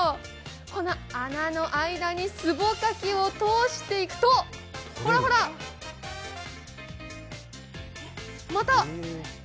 この穴の間にすぼかきを通していくと、ほらほら、また。